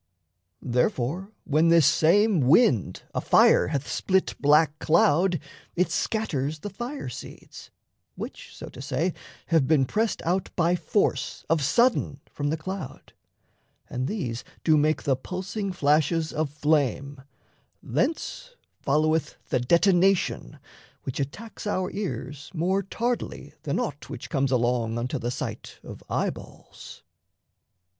Therefore, when this same wind a fire Hath split black cloud, it scatters the fire seeds, Which, so to say, have been pressed out by force Of sudden from the cloud; and these do make The pulsing flashes of flame; thence followeth The detonation which attacks our ears More tardily than aught which comes along Unto the sight of eyeballs.